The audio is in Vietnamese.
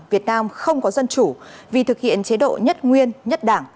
việt nam không có dân chủ vì thực hiện chế độ nhất nguyên nhất đảng